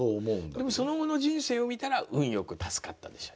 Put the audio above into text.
でもその後の人生を見たら「運よく助かった」でしょ